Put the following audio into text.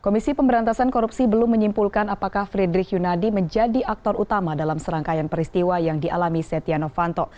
komisi pemberantasan korupsi belum menyimpulkan apakah frederick yunadi menjadi aktor utama dalam serangkaian peristiwa yang dialami setia novanto